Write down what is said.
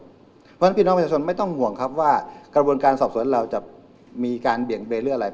เพราะฉะนั้นพี่น้องประชาชนไม่ต้องห่วงครับว่ากระบวนการสอบสวนเราจะมีการเบี่ยงเบนหรืออะไร